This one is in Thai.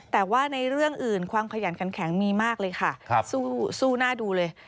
แต่ว่าในเรื่องอื่นความขยันขันแข็งมีมากเลยค่ะสู้หน้าดูเลย